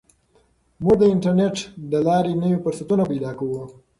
موږ د انټرنیټ له لارې نوي فرصتونه پیدا کوو.